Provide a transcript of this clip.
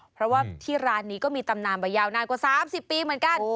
เพราะว่าที่ร้านนี้ก็มีตำนานไปยาวนานกว่า๓๐ปีเหมือนกัน